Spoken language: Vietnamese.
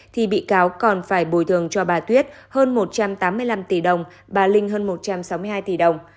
thì bị cáo còn phải bồi thường cho bà tuyết hơn một trăm tám mươi năm tỷ đồng bà linh hơn một trăm sáu mươi hai tỷ đồng